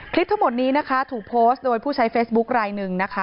ทั้งหมดนี้นะคะถูกโพสต์โดยผู้ใช้เฟซบุ๊คลายหนึ่งนะคะ